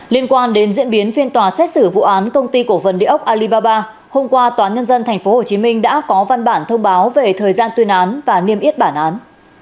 liên quan đến diễn biến phiên tòa xét xử vụ án công ty cổ phần địa ốc alibaba hôm qua tòa nhân dân tp hcm đã có văn bản thông báo về thời gian tuyên án và niêm yết bản án